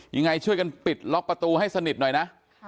ยังไงช่วยกันปิดล็อกประตูให้สนิทหน่อยนะ